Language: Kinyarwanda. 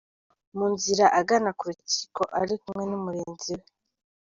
Mu nzira agana ku rukiko ari kumwe n’umurinzi we.